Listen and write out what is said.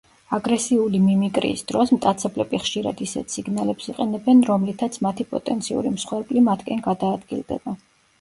აგრესიული მიმიკრიის დროს მტაცებლები ხშირად ისეთ სიგნალებს იყენებენ, რომლითაც მათი პოტენციური მსხვერპლი მათკენ გადაადგილდება.